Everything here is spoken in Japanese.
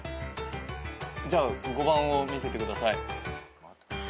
じゃあ５番を見せてください。